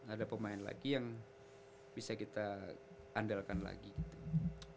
ada pemain lagi yang bisa kita andalkan lagi gitu ya